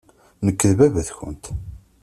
Nekk d baba-tkent.